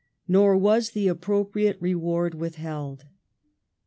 Nor was the appropriate reward withheld.